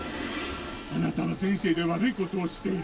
あなたは前世で悪いことをしている」。